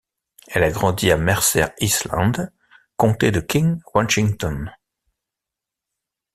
Elle a grandi à Mercer Island, Comté de King Washington.